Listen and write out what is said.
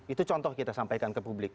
itu contoh kita sampaikan ke publik